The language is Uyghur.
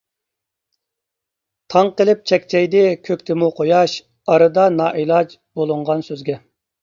تاڭ قېلىپ چەكچەيدى كۆكتىمۇ قۇياش، ئارىدا نائىلاج بولۇنغان سۆزگە.